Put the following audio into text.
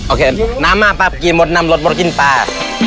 โอเคน้ำมาปั๊บกินหมดน้ำรสมดกินปลา